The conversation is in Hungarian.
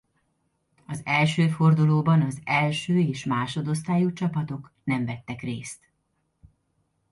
Az első fordulóban az első és másodosztályú csapatok nem vettek részt.